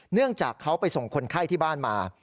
เนื่องจากเขาไปส่งคนไข้ที่บ้านมา